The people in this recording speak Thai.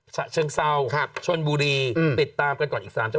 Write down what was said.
ฉะเชิงเศร้าชนบุรีติดตามกันก่อนอีก๓จังหวัด